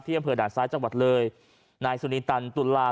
อำเภอด่านซ้ายจังหวัดเลยนายสุนีตันตุลา